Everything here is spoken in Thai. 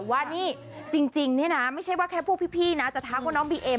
ว่านี่จริงเนี่ยนะไม่ใช่ว่าแค่พวกพี่นะจะทักว่าน้องบีเอ็ม